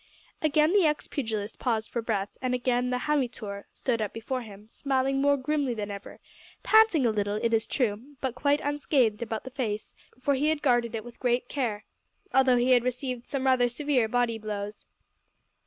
Again the ex pugilist paused for breath, and again the "hammytoor" stood up before him, smiling more grimly than ever panting a little, it is true, but quite unscathed about the face, for he had guarded it with great care although he had received some rather severe body blows.